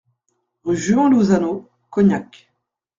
Rue Juan Lozano, Cognac